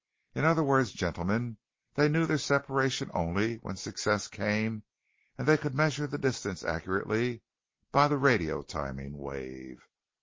In other words, gentlemen, they knew their separation only when success came and they could measure the distance accurately by the radio timing wave."